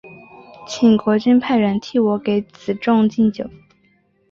请国君派人替我给子重进酒。